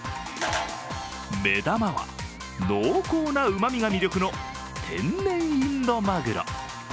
目玉は、濃厚なうまみが魅力の天然インド鮪。